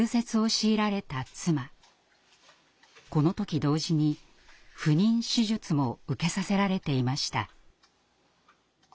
この時同時に不妊手術も受けさせられていました。